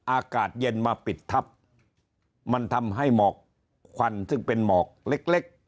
อากาศเย็นมาปิดทับมันทำให้หมอกควันซึ่งเป็นหมอกเล็ก